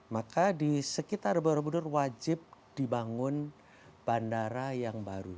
maka di sekitar borobudur wajib dibangun bandara yang baru